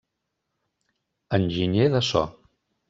Enginyer de so: